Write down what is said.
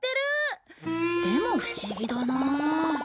でも不思議だなあ。